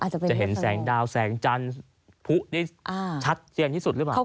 จะเห็นแสงดาวแสงจันทร์ผู้ได้ชัดเจียงที่สุดหรือเปล่า